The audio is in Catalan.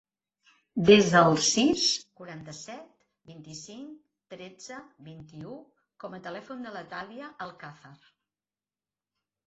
Desa el sis, quaranta-set, vint-i-cinc, tretze, vint-i-u com a telèfon de la Thàlia Alcazar.